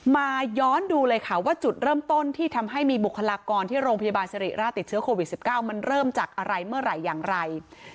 มาย้อนดูเลยค่ะว่าจุดเริ่มต้นที่ทำให้มีบุคลากรที่โรงพยาบาลสิริราชติดเชื้อโควิด๑๙มันเริ่มจากอะไรเมื่อไหร่อย่างไร